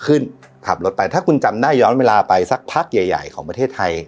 ขับรถไปถ้าคุณจำได้ย้อนเวลาไปสักพักใหญ่ใหญ่ของประเทศไทย